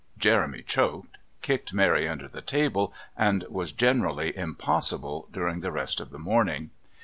Jeremy choked, kicked Mary under the table, and was generally impossible during the rest of the morning.